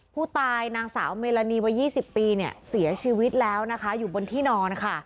ผู้ตายนางสาวเมลานีวะ๒๐ปีเสียชีวิตแล้วอยู่บนที่นอน